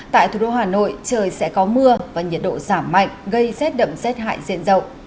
tại thủ đô hà nội trời sẽ có mưa và nhiệt độ giảm mạnh gây rét đậm rét hại diện rộng